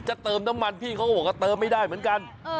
เติมน้ำมันพี่เขาก็บอกว่าเติมไม่ได้เหมือนกัน